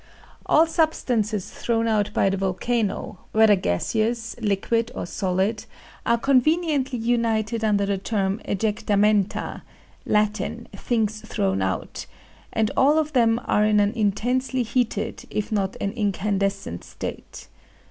All substances thrown out by the volcano, whether gaseous, liquid or solid, are conveniently united under the term ejectamenta (Latin, things thrown out), and all of them are in an intensely heated, if not an incandescent state.